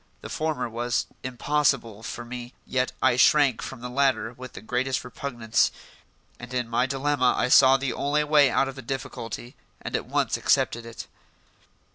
The former was impossible for me, yet I shrank from the latter with the greatest repugnance; and in my dilemma I saw the only way out of the difficulty and at once accepted it.